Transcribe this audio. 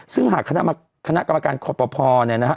ซึ่งหากคณะกรรมการคอปภเนี่ยนะฮะ